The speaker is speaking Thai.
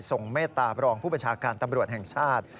เมตตาบรองผู้บัญชาการตำรวจแห่งชาติ